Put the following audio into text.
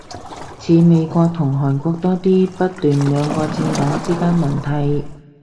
似美國同韓國多啲，不斷兩個政黨之間輪替